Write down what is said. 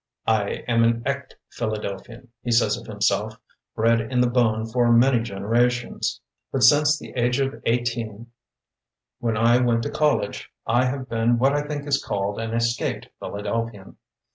"I am an ec^ Philadelphian," he says of himself, "bred in the bone for many generations; but since the age of eighteen, when I went to col lege, I have been what I think is called 'an escaped Philadelphian'.